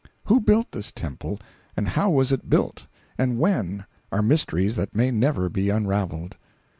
Who built this temple, and how was it built, and when, are mysteries that may never be unraveled.